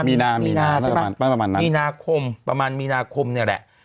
มีนาใช่ไหมมีนาคมประมาณมีนาคมนี่แหละ